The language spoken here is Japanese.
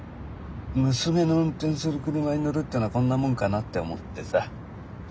娘の運転する車に乗るってのはこんなもんかなって思ってさ。